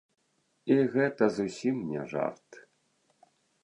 І гэта зусім не жарт.